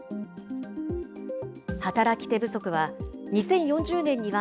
働き手不足は２０４０年には、